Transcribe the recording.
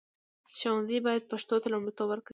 ښوونځي باید پښتو ته لومړیتوب ورکړي.